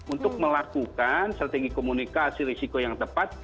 untuk melakukan strategi komunikasi risiko yang tepat